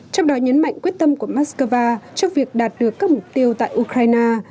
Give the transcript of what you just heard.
trong đó nhấn mạnh quyết tâm của moscow trong việc đạt được các mục tiêu tại ukraine